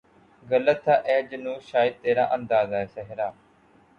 غلط تھا اے جنوں شاید ترا اندازۂ صحرا